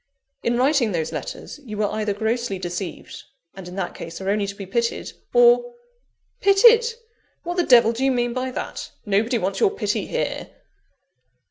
"In writing those letters, you were either grossly deceived; and, in that case, are only to be pitied, or " "Pitied! what the devil do you mean by that? Nobody wants your pity here."